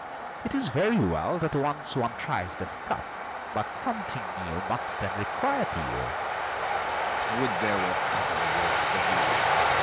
'Tis very well, that once one tries the stuff, But something new must then requite you. FAUST Would there were other work for thee!